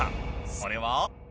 それは。